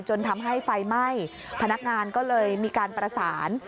จนทำให้ไฟไหม้พนักงานก็เลยมีการประสาน